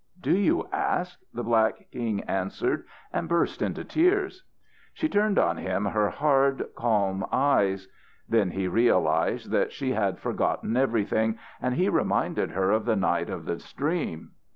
"Do you ask?" the black king answered, and burst into tears. She turned on him her hard, calm eyes. Then he realised that she had forgotten everything, and he reminded her of the night of the stream.